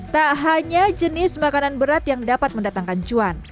tak hanya jenis makanan berat yang dapat mendatangkan cuan